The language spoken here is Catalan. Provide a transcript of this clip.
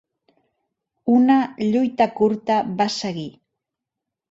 Una "lluita curta va seguir".